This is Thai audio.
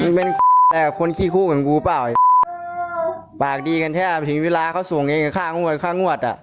มันเป็นแต่คนขี้คู่เหมือนกูเปล่าปากดีกันแทบถึงเวลาเขาส่งเองกับค่างวดค่างวดอ่ะ